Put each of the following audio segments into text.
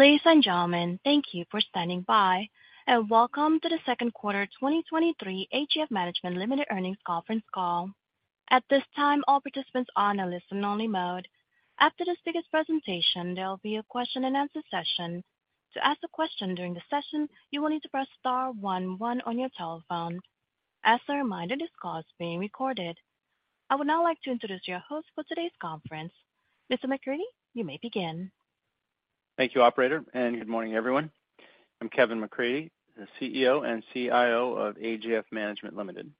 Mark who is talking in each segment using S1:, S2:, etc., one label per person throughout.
S1: Ladies and gentlemen, thank you for standing by, and welcome to the second quarter 2023 AGF Management Limited earnings conference call. At this time, all participants are on a listen-only mode. After the speaker's presentation, there will be a question-and-answer session. To ask a question during the session, you will need to press star one one on your telephone. As a reminder, this call is being recorded. I would now like to introduce your host for today's conference. Mr. McCreadie, you may begin.
S2: Thank you, operator, and good morning, everyone. I'm Kevin McCreadie, the Chief Executive Officer and Chief Investment Officer of AGF Management Limited.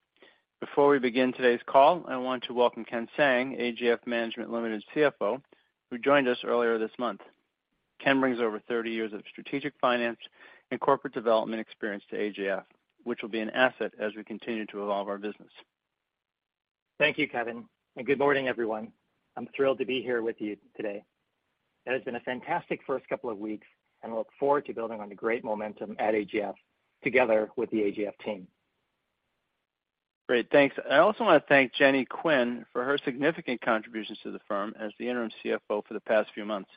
S2: Before we begin today's call, I want to welcome Ken Tsang, AGF Management Limited's Chief Financial Officer, who joined us earlier this month. Ken brings over 30 years of strategic finance and corporate development experience to AGF, which will be an asset as we continue to evolve our business.
S3: Thank you, Kevin. Good morning, everyone. I'm thrilled to be here with you today. It has been a fantastic first couple of weeks, and I look forward to building on the great momentum at AGF together with the AGF team.
S2: Great, thanks. I also want to thank Jenny Quinn for her significant contributions to the firm as the interim Chief Financial Officer for the past few months.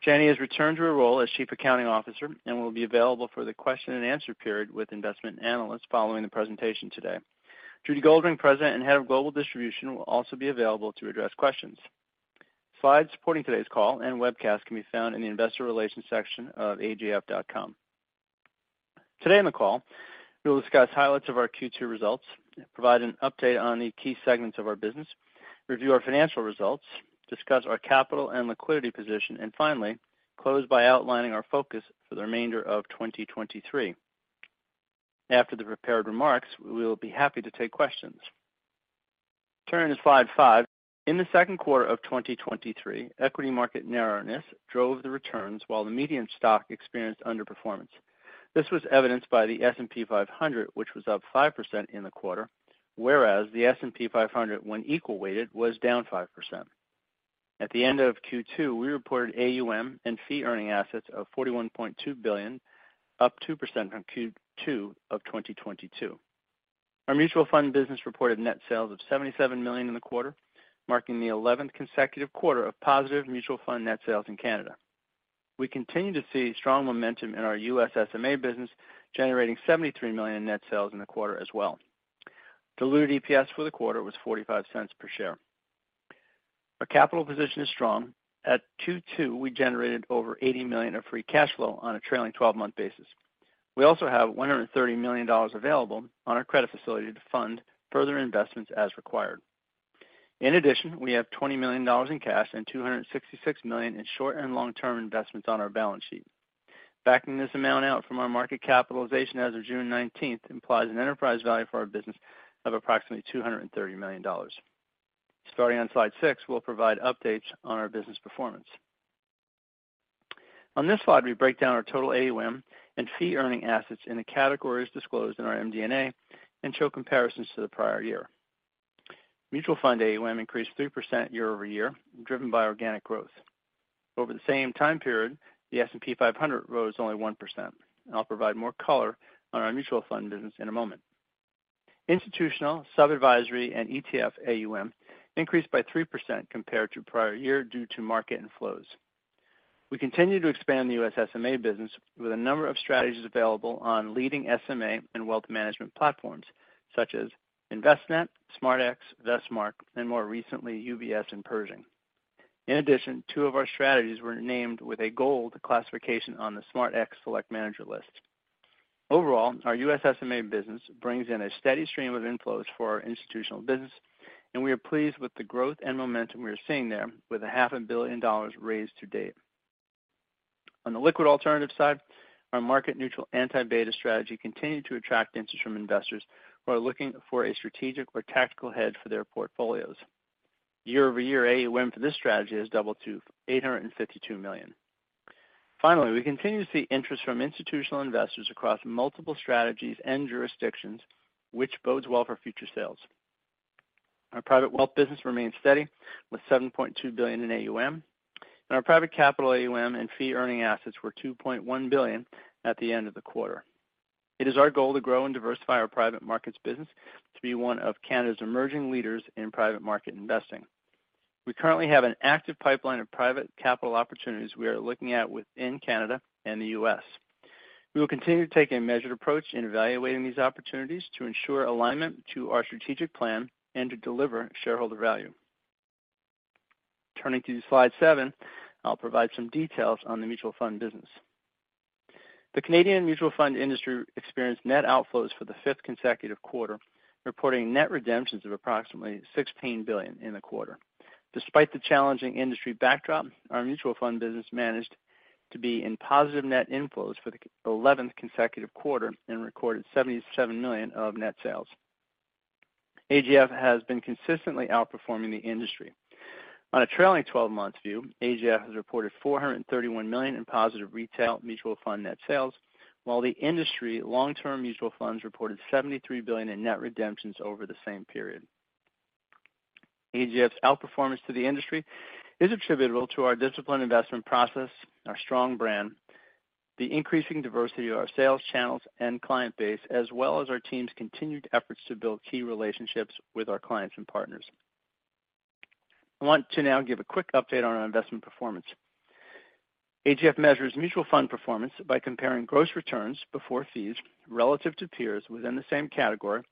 S2: Jenny has returned to her role as Chief Accounting Officer and will be available for the question-and-answer period with investment analysts following the presentation today. Judy Goldring, President and Head of Global Distribution, will also be available to address questions. Slides supporting today's call and webcast can be found in the investor relations section of agf.com. Today on the call, we'll discuss highlights of our Q2 results, provide an update on the key segments of our business, review our financial results, discuss our capital and liquidity position, finally, close by outlining our focus for the remainder of 2023. After the prepared remarks, we will be happy to take questions. Turning to slide five. In the second quarter of 2023, equity market narrowness drove the returns, while the median stock experienced underperformance. This was evidenced by the S&P 500, which was up 5% in the quarter, whereas the S&P 500, when equal weighted, was down 5%. At the end of Q2, we reported AUM and fee-earning assets of 41.2 billion, up 2% from Q2 of 2022. Our mutual fund business reported net sales of 77 million in the quarter, marking the 11th consecutive quarter of positive mutual fund net sales in Canada. We continue to see strong momentum in our U.S SMA business, generating 73 million in net sales in the quarter as well. Diluted EPS for the quarter was 0.45 per share. Our capital position is strong. At 2022, we generated over 80 million of free cash flow on a trailing 12-month basis. We also have 130 million dollars available on our credit facility to fund further investments as required. In addition, we have 20 million dollars in cash and 266 million in short- and long-term investments on our balance sheet. Backing this amount out from our market capitalization as of June 19th implies an enterprise value for our business of approximately 230 million dollars. Starting on slide, we'll provide updates on our business performance. On this slide, we break down our total AUM and fee-earning assets into categories disclosed in our MD&A and show comparisons to the prior year. Mutual fund AUM increased 3% year-over-year, driven by organic growth. Over the same time period, the S&P 500 rose only 1%. I'll provide more color on our mutual fund business in a moment. Institutional, sub-advisory, and ETF AUM increased by 3% compared to prior year due to market inflows. We continue to expand the U.S. SMA business with a number of strategies available on leading SMA and wealth management platforms, such as Envestnet, SMArtX, Vestmark, and more recently, UBS and Pershing. In addition, two of our strategies were named with a gold classification on the SMArtX Select Manager List. Overall, our U.S. SMA business brings in a steady stream of inflows for our institutional business, and we are pleased with the growth and momentum we are seeing there, with 500 billion dollars raised to date. On the liquid alternative side, our market neutral anti-beta strategy continued to attract interest from investors who are looking for a strategic or tactical hedge for their portfolios. Year-over-year, AUM for this strategy has doubled to 852 million. We continue to see interest from institutional investors across multiple strategies and jurisdictions, which bodes well for future sales. Our private wealth business remains steady with 7.2 billion in AUM, and our private capital AUM and fee-earning assets were 2.1 billion at the end of the quarter. It is our goal to grow and diversify our private markets business to be one of Canada's emerging leaders in private market investing. We currently have an active pipeline of private capital opportunities we are looking at within Canada and the U.S. We will continue to take a measured approach in evaluating these opportunities to ensure alignment to our strategic plan and to deliver shareholder value. Turning to slide seven, I'll provide some details on the mutual fund business. The Canadian mutual fund industry experienced net outflows for the fifth consecutive quarter, reporting net redemptions of approximately CAD 16 billion in the quarter. Despite the challenging industry backdrop, our mutual fund business managed to be in positive net inflows for the 11th consecutive quarter and recorded 77 million of net sales. AGF has been consistently outperforming the industry. On a trailing 12-month view, AGF has reported 431 million in positive retail mutual fund net sales, while the industry long-term mutual funds reported 73 billion in net redemptions over the same period. AGF's outperformance to the industry is attributable to our disciplined investment process, our strong brand, the increasing diversity of our sales channels and client base, as well as our team's continued efforts to build key relationships with our clients and partners. I want to now give a quick update on our investment performance. AGF measures mutual fund performance by comparing gross returns before fees relative to peers within the same category,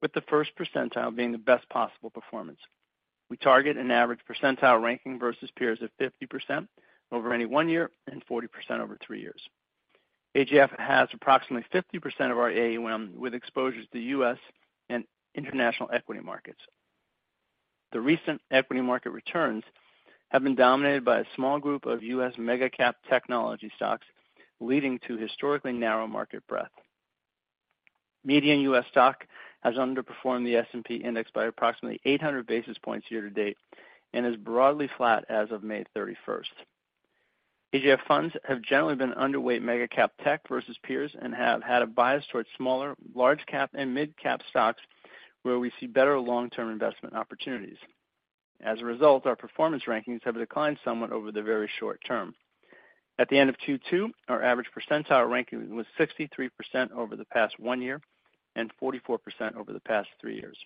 S2: with the first percentile being the best possible performance. We target an average percentile ranking versus peers of 50% over any one year and 40% over three years. AGF has approximately 50% of our AUM with exposures to U.S. and international equity markets. The recent equity market returns have been dominated by a small group of U.S. mega cap technology stocks, leading to historically narrow market breadth. Median U.S. stock has underperformed the S&P index by approximately 800 basis points year to date and is broadly flat as of May 31st. AGF funds have generally been underweight mega cap tech versus peers and have had a bias towards smaller, large cap, and mid cap stocks, where we see better long-term investment opportunities. As a result, our performance rankings have declined somewhat over the very short term. At the end of Q2, our average percentile ranking was 63% over the past one year and 44% over the past three years.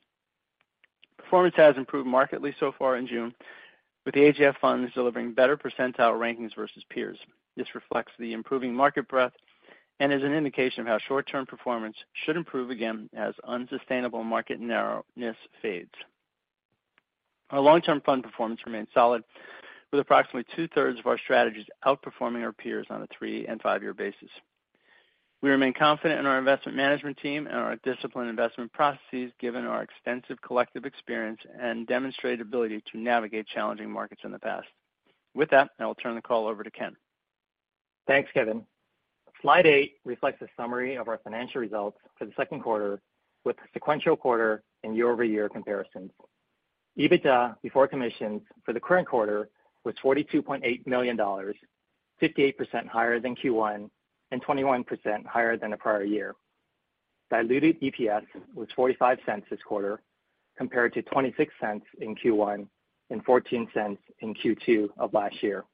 S2: Performance has improved markedly so far in June, with the AGF funds delivering better percentile rankings versus peers. This reflects the improving market breadth and is an indication of how short-term performance should improve again as unsustainable market narrowness fades. Our long-term fund performance remains solid, with approximately two-thirds of our strategies outperforming our peers on a three and five-year basis. We remain confident in our investment management team and our disciplined investment processes, given our extensive collective experience and demonstrated ability to navigate challenging markets in the past. With that, I will turn the call over to Ken.
S3: Thanks, Kevin. Slide eight reflects a summary of our financial results for the second quarter, with the sequential quarter and year-over-year comparisons. EBITDA before commissions for the current quarter was 42.8 million dollars, 58% higher than Q1 and 21% higher than the prior year. Diluted EPS was 0.45 this quarter, compared to 0.26 in Q1 and 0.14 in Q2 of last year.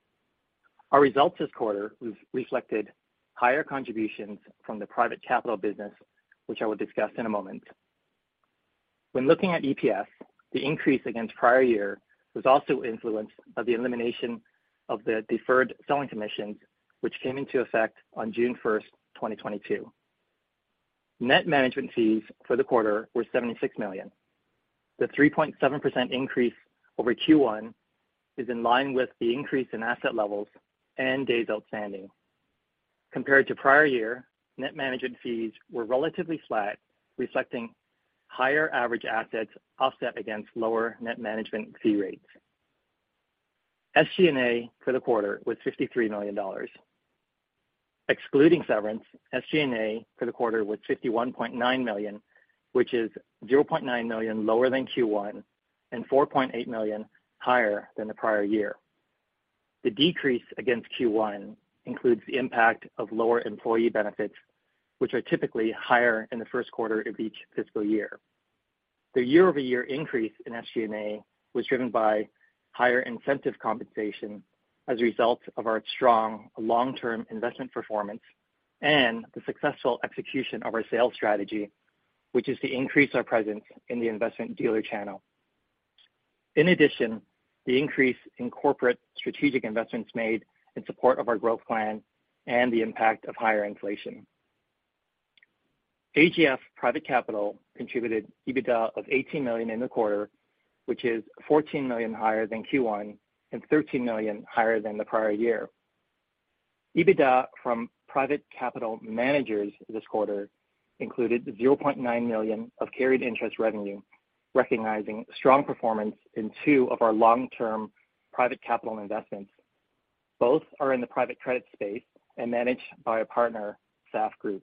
S3: Our results this quarter re-reflected higher contributions from the private capital business, which I will discuss in a moment. When looking at EPS, the increase against prior year was also influenced by the elimination of the deferred selling commissions, which came into effect on June 1, 2022. Net management fees for the quarter were 76 million. The 3.7% increase over Q1 is in line with the increase in asset levels and days outstanding. Compared to prior year, net management fees were relatively flat, reflecting higher average assets offset against lower net management fee rates. SG&A for the quarter was 53 million dollars. Excluding severance, SG&A for the quarter was 51.9 million, which is 0.9 million lower than Q1 and 4.8 million higher than the prior year. The decrease against Q1 includes the impact of lower employee benefits, which are typically higher in the first quarter of each fiscal year. The year-over-year increase in SG&A was driven by higher incentive compensation as a result of our strong long-term investment performance and the successful execution of our sales strategy, which is to increase our presence in the investment dealer channel. The increase in corporate strategic investments made in support of our growth plan and the impact of higher inflation. AGF Private Capital contributed EBITDA of 18 million in the quarter, which is 14 million higher than Q1 and 13 million higher than the prior year. EBITDA from private capital managers this quarter included 0.9 million of carried interest revenue, recognizing strong performance in two of our long-term private capital investments. Both are in the private credit space and managed by a partner, SAF Group.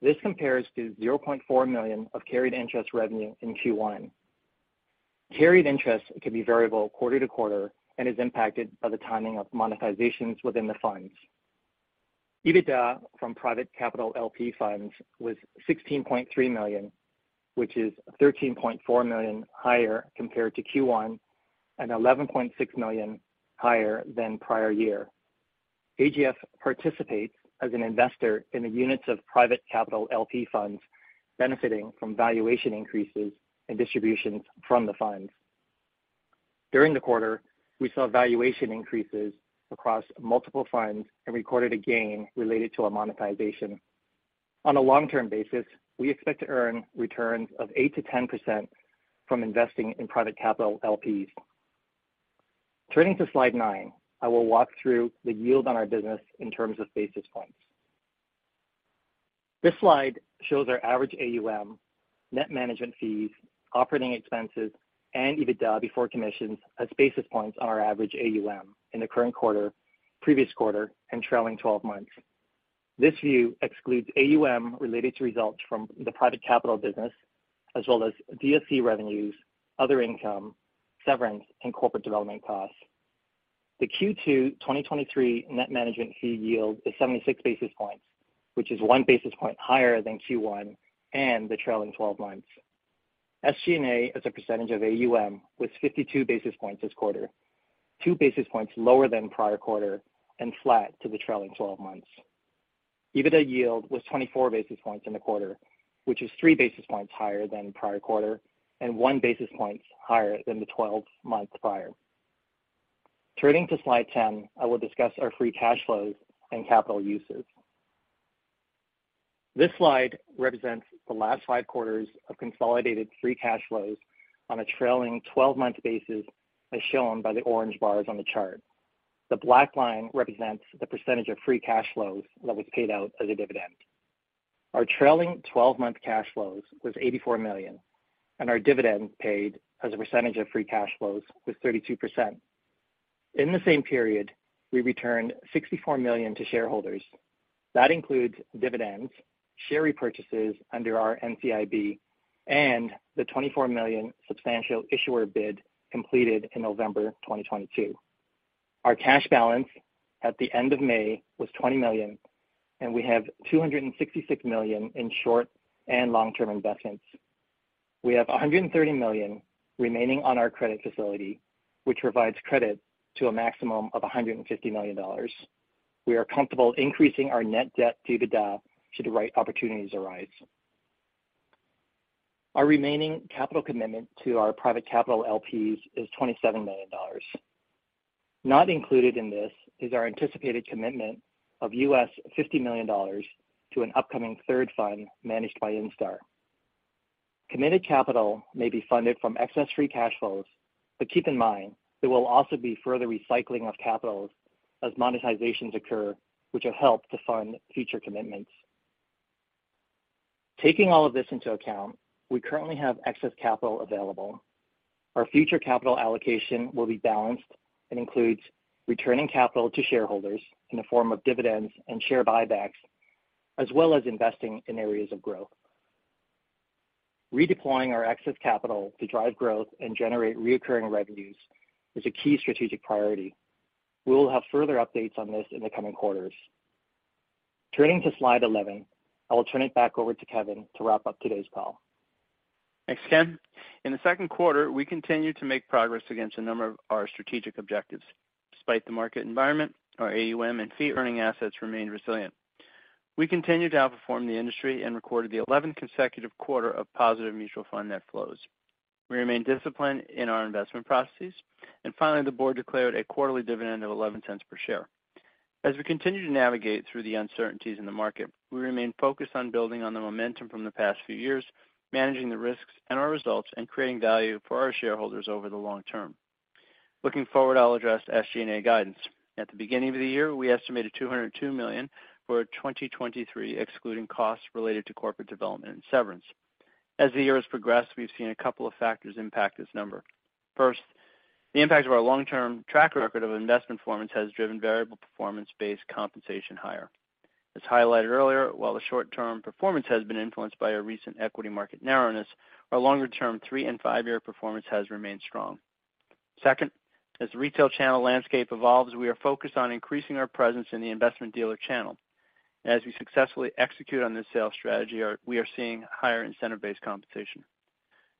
S3: This compares to 0.4 million of carried interest revenue in Q1. Carried interest can be variable quarter to quarter and is impacted by the timing of monetizations within the funds. EBITDA from private capital LP funds was 16.3 million, which is 13.4 million higher compared to Q1 and 11.6 million higher than prior year. AGF participates as an investor in the units of private capital LP funds, benefiting from valuation increases and distributions from the funds. During the quarter, we saw valuation increases across multiple funds and recorded a gain related to our monetization. On a long-term basis, we expect to earn returns of 8%-10% from investing in private capital LPs. Turning to slide nine, I will walk through the yield on our business in terms of basis points. This slide shows our average AUM, net management fees, operating expenses, and EBITDA before commissions as basis points on our average AUM in the current quarter, previous quarter, and trailing 12 months. This view excludes AUM related to results from the private capital business, as well as DSC revenues, other income, severance, and corporate development costs. The Q2 2023 net management fee yield is 76 basis points, which is 1 basis point higher than Q1 and the trailing 12 months. SG&A, as a % of AUM, was 52 basis points this quarter, 2 basis points lower than prior quarter and flat to the trailing 12 months. EBITDA yield was 24 basis points in the quarter, which is 3 basis points higher than the prior quarter and 1 basis points higher than the 12 months prior. Turning to slide 10, I will discuss our free cash flows and capital uses. This slide represents the last five quarters of consolidated free cash flows on a trailing 12-month basis, as shown by the orange bars on the chart. The black line represents the % of free cash flows that was paid out as a dividend. Our trailing 12-month cash flows was 84 million, and our dividend paid as a percentage of free cash flows was 32%. In the same period, we returned 64 million to shareholders. That includes dividends, share repurchases under our NCIB, and the 24 million substantial issuer bid completed in November 2022. Our cash balance at the end of May was 20 million, and we have 266 million in short and long-term investments. We have 130 million remaining on our credit facility, which provides credit to a maximum of 150 million dollars. We are comfortable increasing our net debt to EBITDA till the right opportunities arise. Our remaining capital commitment to our Private Capital LPs is 27 million dollars. Not included in this is our anticipated commitment of 50 million US dollars to an upcoming third fund managed by Instar. Committed capital may be funded from excess free cash flows. Keep in mind, there will also be further recycling of capitals as monetizations occur, which will help to fund future commitments. Taking all of this into account, we currently have excess capital available. Our future capital allocation will be balanced and includes returning capital to shareholders in the form of dividends and share buybacks, as well as investing in areas of growth. Redeploying our excess capital to drive growth and generate recurring revenues is a key strategic priority. We will have further updates on this in the coming quarters. Turning to slide 11, I will turn it back over to Kevin to wrap up today's call.
S2: Thanks, Ken. In the second quarter, we continued to make progress against a number of our strategic objectives. Despite the market environment, our AUM and fee-earning assets remained resilient. We continued to outperform the industry and recorded the 11th consecutive quarter of positive mutual fund net flows. We remain disciplined in our investment processes. Finally, the board declared a quarterly dividend of 0.11 per share. As we continue to navigate through the uncertainties in the market, we remain focused on building on the momentum from the past few years, managing the risks and our results, and creating value for our shareholders over the long term. Looking forward, I'll address SG&A guidance. At the beginning of the year, we estimated 202 million for 2023, excluding costs related to corporate development and severance. As the year has progressed, we've seen a couple of factors impact this number. First, the impact of our long-term track record of investment performance has driven variable performance-based compensation higher. As highlighted earlier, while the short-term performance has been influenced by a recent equity market narrowness, our longer-term three and five-year performance has remained strong. Second, as the retail channel landscape evolves, we are focused on increasing our presence in the investment dealer channel. As we successfully execute on this sales strategy, we are seeing higher incentive-based compensation.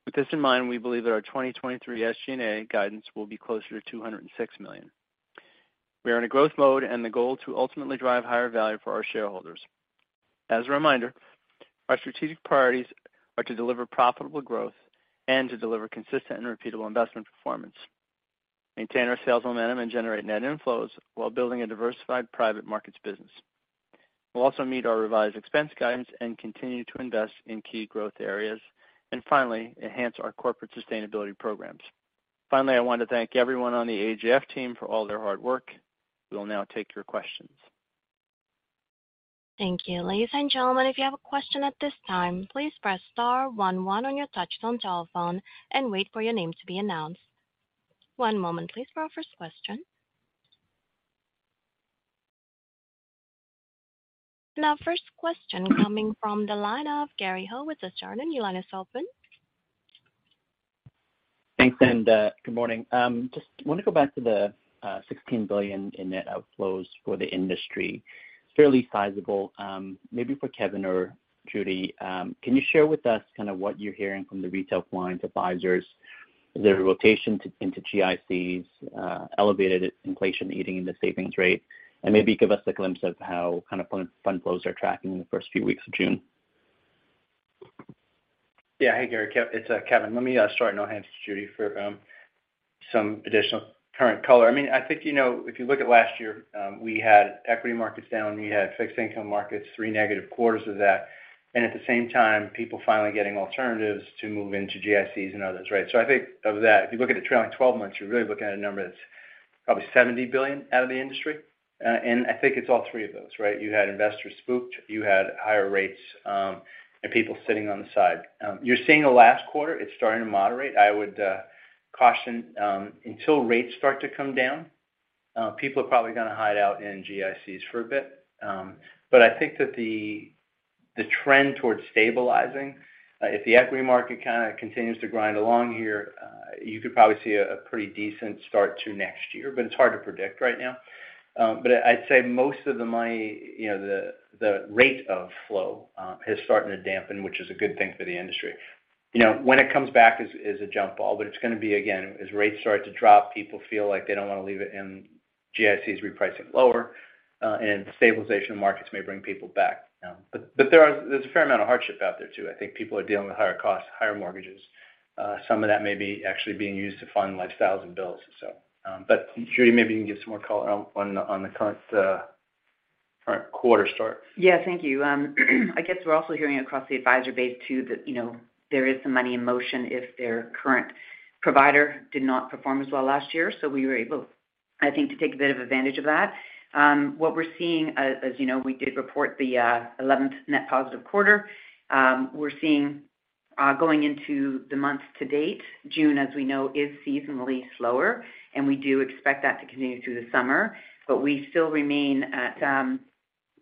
S2: With this in mind, we believe that our 2023 SG&A guidance will be closer to 206 million. We are in a growth mode, and the goal to ultimately drive higher value for our shareholders. As a reminder, our strategic priorities are to deliver profitable growth and to deliver consistent and repeatable investment performance, maintain our sales momentum, and generate net inflows while building a diversified private markets business. We'll also meet our revised expense guidance and continue to invest in key growth areas, and finally, enhance our corporate sustainability programs. Finally, I want to thank everyone on the AGF team for all their hard work. We will now take your questions.
S1: Thank you. Ladies and gentlemen, if you have a question at this time, please press star one one on your touch-tone telephone and wait for your name to be announced. One moment, please, for our first question. Our first question coming from the line of Gary Ho with Desjardins. Your line is open.
S4: Thanks. Good morning. Just want to go back to the 16 billion in net outflows for the industry. Fairly sizable. Maybe for Kevin or Judy, can you share with us kind of what you're hearing from the retail clients, advisors, their rotation into GICs, elevated inflation eating into savings rate? Maybe give us a glimpse of how kind of fund flows are tracking in the first few weeks of June.
S2: Hey, Gary, it's Kevin. Let me start and I'll hand it to Judy for some additional current color. I mean, I think, you know, if you look at last year, we had equity markets down, we had fixed income markets, three negative quarters of that, and at the same time, people finally getting alternatives to move into GICs and others, right? I think of that, if you look at a trailing 12 months, you're really looking at a number that's probably 70 billion out of the industry. I think it's all three of those, right? You had investors spooked, you had higher rates, and people sitting on the side. You're seeing the last quarter, it's starting to moderate. I would caution until rates start to come down, people are probably going to hide out in GICs for a bit. I think that the trend towards stabilizing, if the equity market kind of continues to grind along here, you could probably see a pretty decent start to next year, but it's hard to predict right now. I'd say most of the money, you know, the rate of flow has started to dampen, which is a good thing for the industry. you know, when it comes back is a jump ball, but it's gonna be, again, as rates start to drop, people feel like they don't want to leave it in GICs repricing lower, and stabilization markets may bring people back down. there's a fair amount of hardship out there, too. I think people are dealing with higher costs, higher mortgages. Some of that may be actually being used to fund lifestyles and bills. Judy, maybe you can give some more color on the current quarter start.
S5: Yeah, thank you. I guess we're also hearing across the advisor base, too, that, you know, there is some money in motion if their current provider did not perform as well last year. We were able, I think, to take a bit of advantage of that. What we're seeing, as you know, we did report the 11th net positive quarter. We're seeing going into the month to date, June, as we know, is seasonally slower, and we do expect that to continue through the summer. We still remain at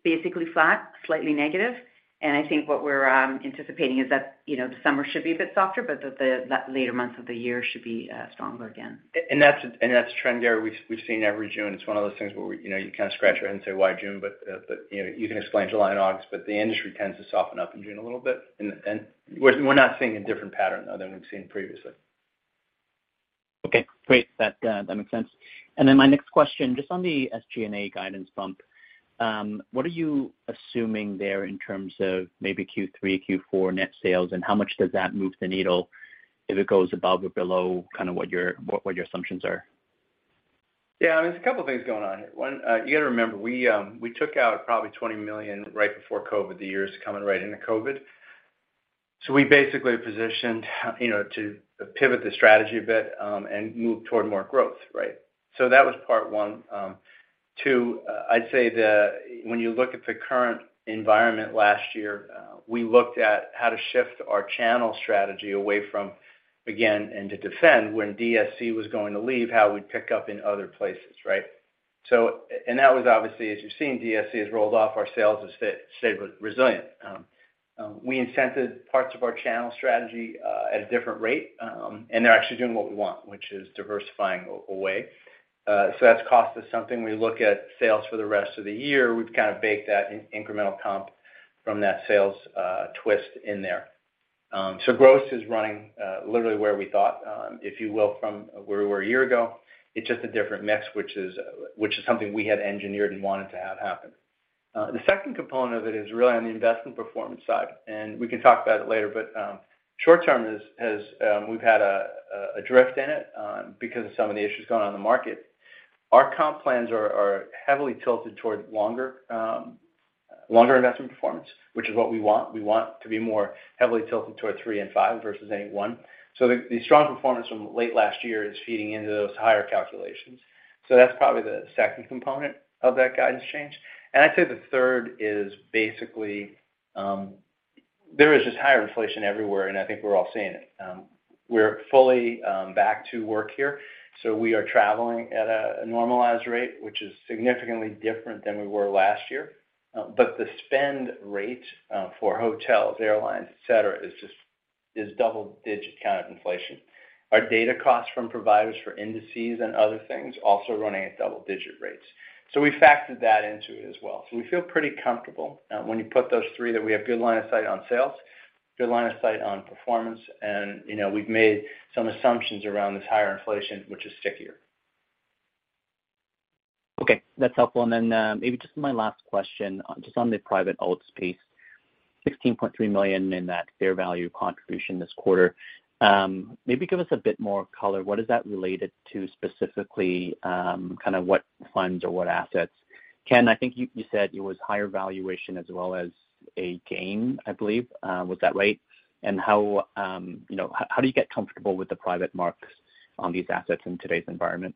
S5: basically flat, slightly negative, and I think what we're anticipating is that, you know, the summer should be a bit softer, but that the, that later months of the year should be stronger again.
S2: That's a trend, Gary, we've seen every June. It's one of those things where we, you know, you kind of scratch your head and say, "Why June?" You know, you can explain July and August, but the industry tends to soften up in June a little bit. We're not seeing a different pattern other than we've seen previously.
S4: Okay, great. That, that makes sense. My next question, just on the SG&A guidance bump, what are you assuming there in terms of maybe Q3, Q4 net sales, and how much does that move the needle if it goes above or below kind of what your assumptions are?
S2: Yeah, there's a couple of things going on here. One, you got to remember, we took out probably 20 million right before COVID, the years coming right into COVID. We basically positioned, you know, to pivot the strategy a bit and move toward more growth, right? That was part one. Two, I'd say that when you look at the current environment last year, we looked at how to shift our channel strategy away from, again, and to defend when DSC was going to leave, how we'd pick up in other places, right? That was obviously, as you've seen, DSC has rolled off. Our sales has stayed resilient. We incented parts of our channel strategy at a different rate, and they're actually doing what we want, which is diversifying away. That's cost us something. We look at sales for the rest of the year, we've kind of baked that in incremental comp from that sales twist in there. Growth is running literally where we thought, if you will, from where we were a year ago. It's just a different mix, which is something we had engineered and wanted to have happen. The second component of it is really on the investment performance side, and we can talk about it later, but short term has had a drift in it because of some of the issues going on in the market. Our comp plans are heavily tilted toward longer investment performance, which is what we want. We want to be more heavily tilted toward three and five versus A1. The strong performance from late last year is feeding into those higher calculations. That's probably the second component of that guidance change. I'd say the third is basically, there is just higher inflation everywhere, and I think we're all seeing it. We're fully back to work here, so we are traveling at a normalized rate, which is significantly different than we were last year. The spend rate for hotels, airlines, et cetera, is double-digit kind of inflation. Our data costs from providers for indices and other things also running at double-digit rates. We factored that into it as well. We feel pretty comfortable, when you put those three, that we have good line of sight on sales, good line of sight on performance, and, you know, we've made some assumptions around this higher inflation, which is stickier.
S4: Okay, that's helpful. Maybe just my last question, just on the private alts space. 16.3 million in that fair value contribution this quarter. Maybe give us a bit more color. What is that related to specifically, kind of what funds or what assets? Ken, I think you said it was higher valuation as well as a gain, I believe. Was that right? How, you know, how do you get comfortable with the private marks on these assets in today's environment?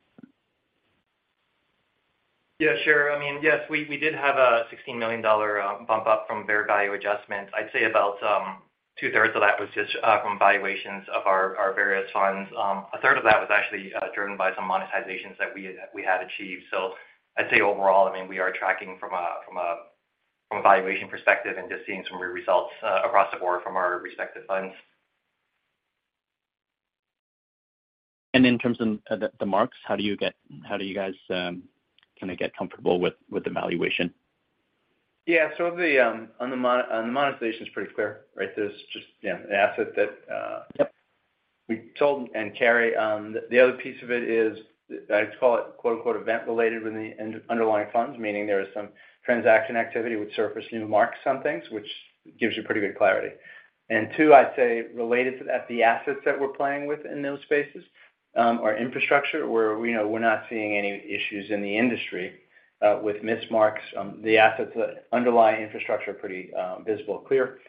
S3: Yeah, sure. I mean, yes, we did have a 16 million dollar bump up from fair value adjustments. I'd say about two-thirds of that was just from valuations of our various funds. A third of that was actually driven by some monetizations that we had achieved. I'd say overall, I mean, we are tracking from a valuation perspective and just seeing some results across the board from our respective funds.
S4: In terms of the marks, How do you guys, kind of get comfortable with the valuation?
S2: The on the monetization is pretty clear, right? There's just, you know, an asset that we told... Carrie, the other piece of it is, I'd call it quote, unquote, "event-related" with the underlying funds, meaning there is some transaction activity with surface new marks on things, which gives you pretty good clarity. Two, I'd say related to that, the assets that we're playing with in those spaces are infrastructure, where we know we're not seeing any issues in the industry with mismarks. The assets that underlie infrastructure are pretty visible and clear.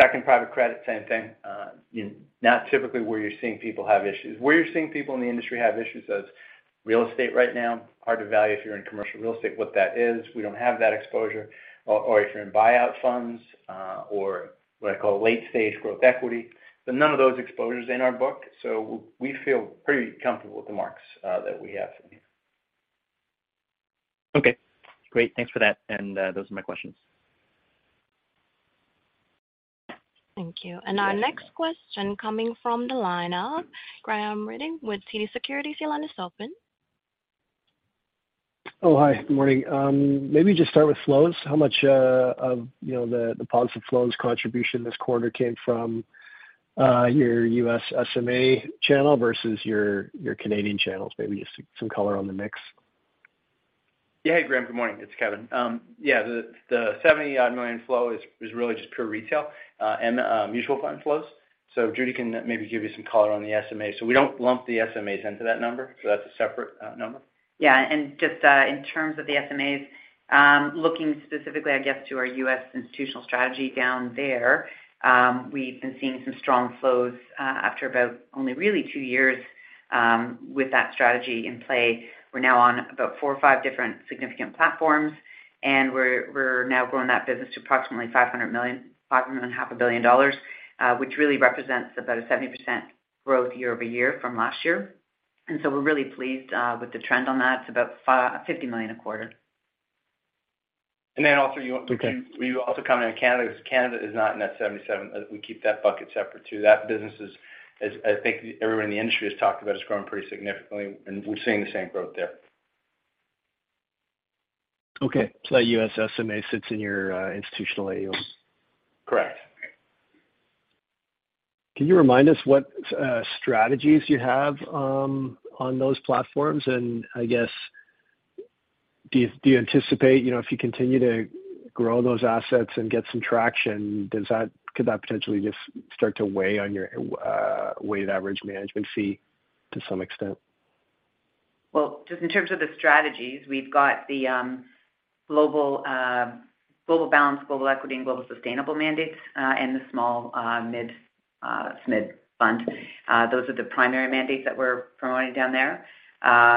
S2: Second, private credit, same thing. Not typically where you're seeing people have issues. Where you're seeing people in the industry have issues is real estate right now. Hard to value if you're in commercial real estate. What that is, we don't have that exposure, or if you're in buyout funds, or what I call late-stage growth equity. None of those exposures in our book, so we feel pretty comfortable with the marks that we have.
S4: Okay, great. Thanks for that. Those are my questions.
S1: Thank you. Our next question coming from the line of Graham Ryding with TD Securities. Your line is open.
S6: Oh, hi, good morning. Maybe just start with flows. How much of, you know, the positive flows contribution this quarter came from your U.S. SMA channel versus your Canadian channels? Maybe just some color on the mix.
S2: Yeah. Graham, good morning. It's Kevin. Yeah, the 70 odd million flow is really just pure retail, and mutual fund flows. Judy can maybe give you some color on the SMA. We don't lump the SMAs into that number, so that's a separate number.
S5: Just in terms of the SMAs, looking specifically, I guess, to our U.S. institutional strategy down there, we've been seeing some strong flows after about only really two-years with that strategy in play. We're now on about four or five different significant platforms, and we're now growing that business to approximately 5.5 billion dollars, which really represents about a 70% growth year-over-year from last year. We're really pleased with the trend on that. It's about 50 million a quarter.
S2: also, you-
S6: Okay.
S2: We also comment on Canada, because Canada is not in that 77. We keep that bucket separate, too. That business is I think everyone in the industry has talked about, it's growing pretty significantly, and we're seeing the same growth there.
S6: That U.S. SMA sits in your institutional AUM?
S2: Correct.
S6: Can you remind us what strategies you have on those platforms? I guess, do you anticipate, you know, if you continue to grow those assets and get some traction, could that potentially just start to weigh on your weighted average management fee to some extent?
S5: Just in terms of the strategies, we've got the global balance, global equity, and global sustainable mandates, and the small, mid SMID Fund. Those are the primary mandates that we're promoting down there.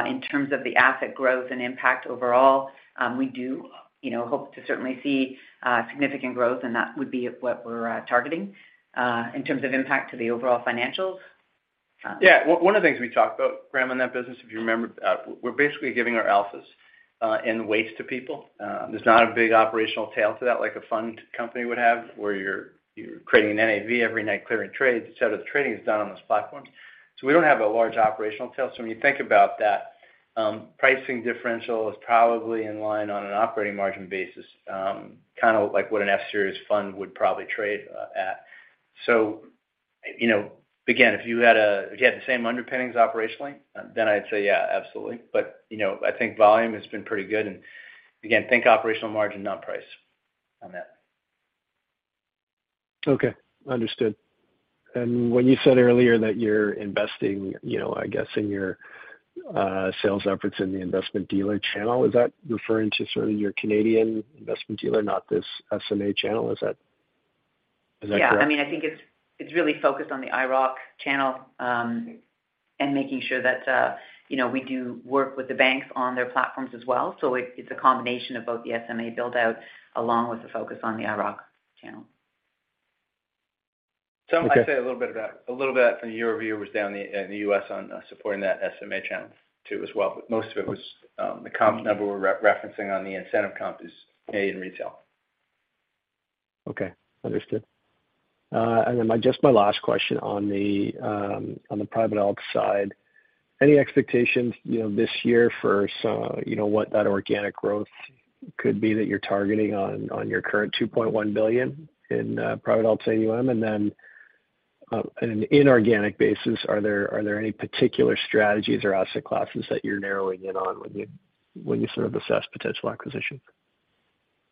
S5: In terms of the asset growth and impact overall, we do, you know, hope to certainly see significant growth, and that would be what we're targeting. In terms of impact to the overall financials.
S2: Yeah. One of the things we talked about, Graham, in that business, if you remember, we're basically giving our alphas and weights to people. There's not a big operational tail to that, like a fund company would have, where you're creating an NAV every night, clearing trades, etc. The trading is done on this platform. We don't have a large operational tail. When you think about that, pricing differential is probably in line on an operating margin basis, kind of like what an F-Series fund would probably trade at. You know, again, if you had the same underpinnings operationally, then I'd say, yeah, absolutely. You know, I think volume has been pretty good. Again, think operational margin, not price on that.
S6: Okay, understood. When you said earlier that you're investing, you know, I guess, in your sales efforts in the investment dealer channel, is that referring to sort of your Canadian investment dealer, not this SMA channel? Is that correct?
S5: Yeah. I mean, I think it's really focused on the IIROC channel, making sure that, you know, we do work with the banks on their platforms as well. It's a combination of both the SMA build-out along with the focus on the IIROC channel.
S2: I'd say.
S6: Okay
S2: A little about from the year-over-year was down in the U.S on supporting that SMA channel, too, as well. Most of it was the comp number we're referencing on the incentive comp is A, in retail.
S6: Okay, understood. Just my last question on the private alt side. Any expectations, you know, this year what that organic growth could be that you're targeting on your current 2.1 billion in private alts AUM? In an inorganic basis, are there any particular strategies or asset classes that you sort of assess potential acquisition?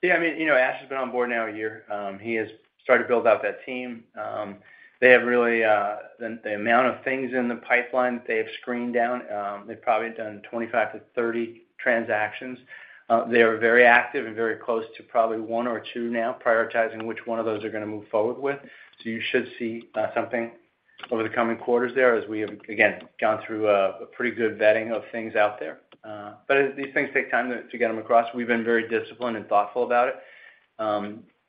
S2: I mean, you know, Ash has been on board now a year. He has started to build out that team. They have really the amount of things in the pipeline they have screened down, they've probably done 25-30 transactions. They are very active and very close to probably one or two now, prioritizing which one of those they're going to move forward with. You should see something over the coming quarters there, as we have, again, gone through a pretty good vetting of things out there. These things take time to get them across. We've been very disciplined and thoughtful about it.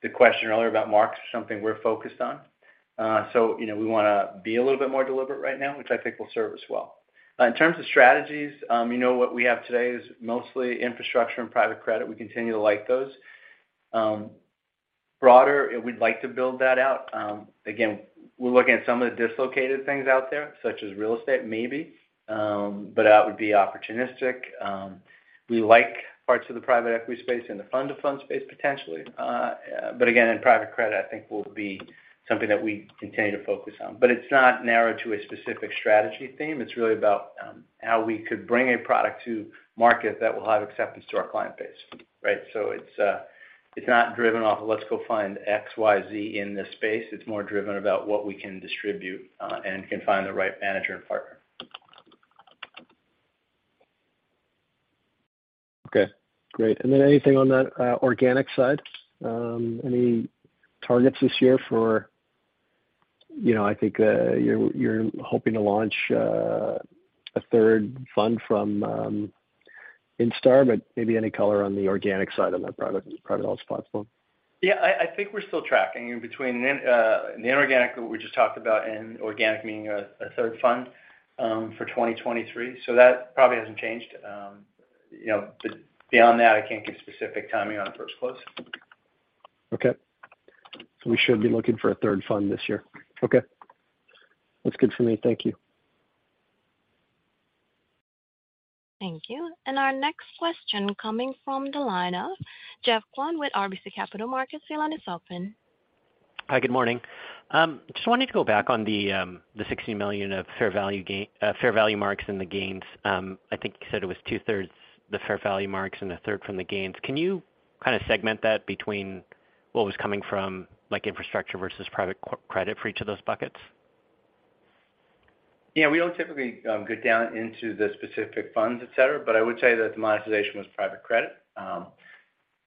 S2: The question earlier about marks is something we're focused on. You know, we want to be a little bit more deliberate right now, which I think will serve us well. In terms of strategies, you know, what we have today is mostly infrastructure and private credit. We continue to like those. Broader, we'd like to build that out. Again, we're looking at some of the dislocated things out there, such as real estate, maybe, but that would be opportunistic. We like parts of the private equity space and the fund to fund space, potentially. Again, in private credit, I think will be something that we continue to focus on. It's not narrowed to a specific strategy theme. It's really about how we could bring a product to market that will have acceptance to our client base, right? It's not driven off, let's go find X, Y, Z in this space. It's more driven about what we can distribute and can find the right manager and partner.
S6: Okay, great. Anything on that organic side? Any targets this year for... You know, I think you're hoping to launch a third fund from Instar, but maybe any color on the organic side of that product, private alts platform?
S2: Yeah, I think we're still tracking in between the inorganic, what we just talked about, and organic, meaning a third fund, for 2023. That probably hasn't changed. You know, but beyond that, I can't give specific timing on first close.
S6: Okay. We should be looking for a third fund this year. Okay. That's good for me. Thank you.
S1: Thank you. Our next question coming from the line of Geoffrey Kwan with RBC Capital Markets. Your line is open.
S7: Hi, good morning. Just wanted to go back on the 60 million of fair value gain, fair value marks and the gains. I think you said it was two-thirds the fair value marks and a third from the gains. Can you kind of segment that between what was coming from, like, infrastructure versus private credit for each of those buckets?
S2: We don't typically go down into the specific funds, et cetera, but I would say that the monetization was private credit. Call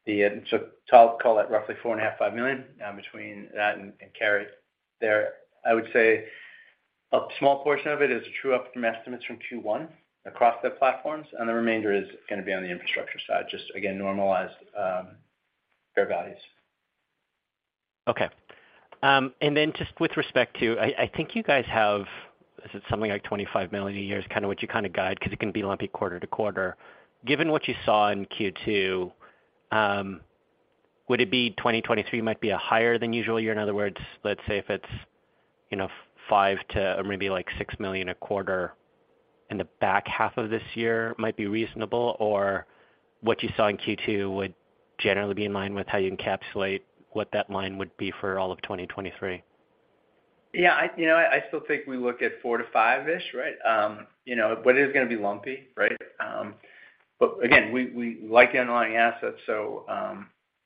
S2: that roughly 4.5 million-5 million. Between that and carry there, I would say a small portion of it is true up from estimates from Q1 across the platforms, and the remainder is gonna be on the infrastructure side. Just again, normalized fair values.
S7: Okay. Just with respect to, I think you guys have, is it something like 25 million a year, is kind of what you kind of guide, because it can be lumpy quarter to quarter. Given what you saw in Q2, would it be 2023 might be a higher than usual year? In other words, let's say if it's, you know, 5 million-6 million a quarter in the back half of this year might be reasonable, or what you saw in Q2 would generally be in line with how you encapsulate what that line would be for all of 2023?
S2: Yeah, I, you know, I still think we look at 4 to 5-ish, right? you know, it is gonna be lumpy, right? Again, we like underlying assets, so,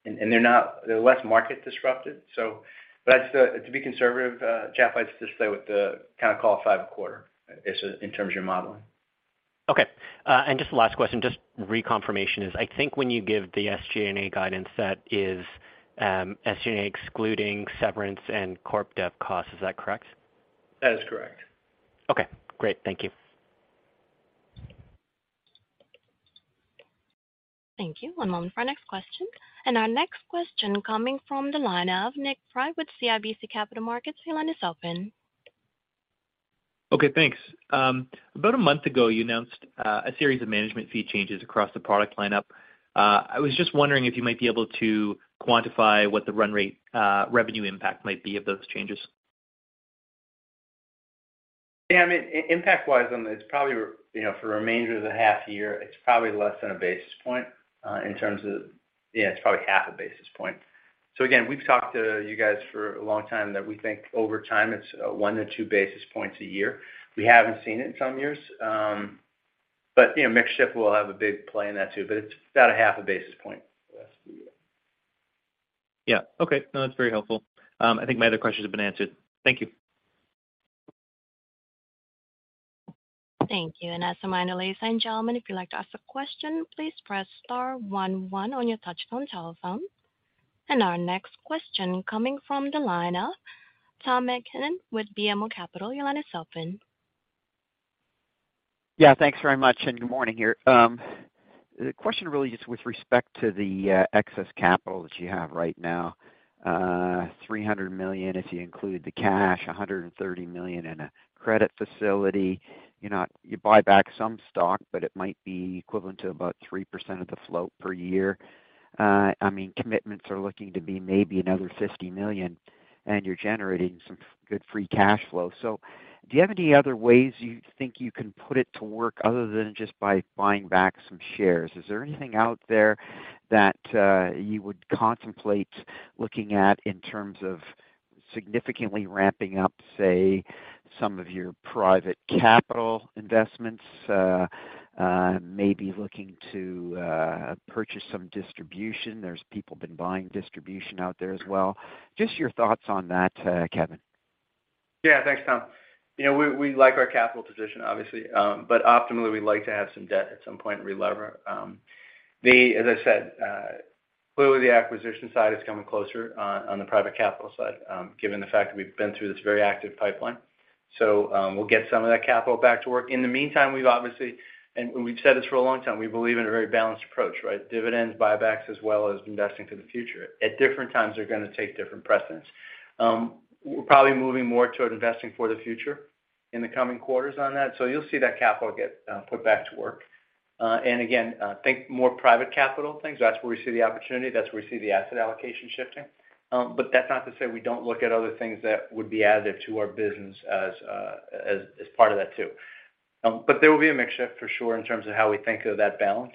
S2: They're less market disrupted. To be conservative, Jeff, I'd just stay with the kind of call it five a quarter, just in terms of your modeling.
S7: Okay, just the last question, just reconfirmation is, I think when you give the SG&A guidance, that is, SG&A excluding severance and corp debt costs. Is that correct?
S2: That is correct.
S7: Okay, great. Thank you.
S1: Thank you. One moment for our next question. Our next question coming from the line of Nikolaus Priebe with CIBC Capital Markets. Your line is open.
S8: Okay, thanks. About a month ago, you announced a series of management fee changes across the product lineup. I was just wondering if you might be able to quantify what the run rate revenue impact might be of those changes.
S2: Yeah, I mean, impact-wise, you know, for a remainder of the half-year, it's probably less than 1 basis point in terms of... Yeah, it's probably half a basis point. Again, we've talked to you guys for a long time that we think over time, it's 1-2 basis points a year. We haven't seen it in some years, but, you know, mix shift will have a big play in that, too, but it's about a half a basis point for the rest of the year.
S8: Yeah. Okay. No, that's very helpful. I think my other questions have been answered. Thank you.
S1: Thank you. As a reminder, ladies and gentlemen, if you'd like to ask a question, please press star 11 on your touchtone telephone. Our next question coming from the line of Tom MacKinnon with BMO Capital. Your line is open.
S9: Yeah, thanks very much. Good morning here. The question really is with respect to the excess capital that you have right now. 300 million, if you include the cash, 130 million in a credit facility. You buy back some stock, but it might be equivalent to about 3% of the float per year. I mean, commitments are looking to be maybe another 50 million, and you're generating some good free cash flow. Do you have any other ways you think you can put it to work other than just by buying back some shares? Is there anything out there that you would contemplate looking at in terms of significantly ramping up, say, some of your private capital investments, maybe looking to purchase some distribution? There's people been buying distribution out there as well. Just your thoughts on that, Kevin.
S2: Yeah, thanks, Tom. You know, we like our capital position, obviously, but optimally, we like to have some debt at some point, relever. As I said, clearly the acquisition side is coming closer on the private capital side, given the fact that we've been through this very active pipeline. We'll get some of that capital back to work. In the meantime, we've obviously, and we've said this for a long time, we believe in a very balanced approach, right? Dividends, buybacks, as well as investing for the future. At different times, they're gonna take different precedence. We're probably moving more toward investing for the future in the coming quarters on that. You'll see that capital get put back to work. And again, think more private capital things. That's where we see the opportunity, that's where we see the asset allocation shifting. That's not to say we don't look at other things that would be additive to our business as part of that too. There will be a mix shift for sure in terms of how we think of that balance.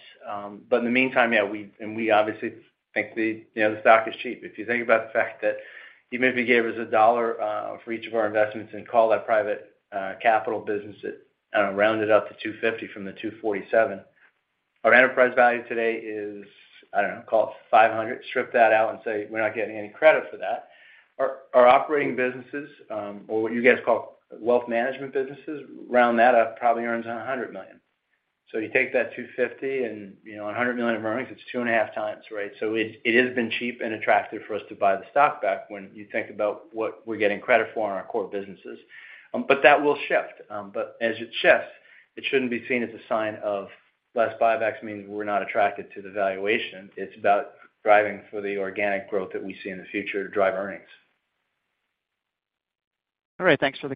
S2: In the meantime, yeah, we obviously think the, you know, the stock is cheap. If you think about the fact that even if you gave us CAD 1 for each of our investments and call that private capital business, it, I don't know, rounded up to 250 from 247. Our enterprise value today is, I don't know, call it 500. Strip that out and say, we're not getting any credit for that. Our operating businesses, or what you guys call wealth management businesses, round that up, probably earns around 100 million. You take that 250 million and, you know, 100 million in earnings, it's 2.5 times, right? It has been cheap and attractive for us to buy the stock back when you think about what we're getting credit for on our core businesses. That will shift. As it shifts, it shouldn't be seen as a sign of less buybacks means we're not attracted to the valuation. It's about driving for the organic growth that we see in the future to drive earnings.
S9: All right, thanks a lot.